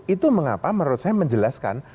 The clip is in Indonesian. itu mengapa menurut saya menjelaskan